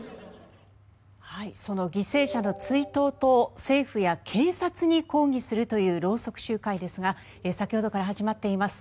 その犠牲者の追悼と政府や警察に抗議するというろうそく集会ですが先ほどから始まっています。